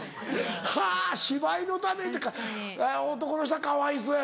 はぁ芝居のためにとか男の人はかわいそうやな。